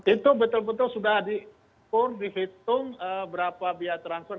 itu betul betul sudah dihitung berapa biaya transport